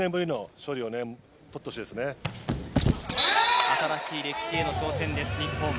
新しい歴史への挑戦です日本。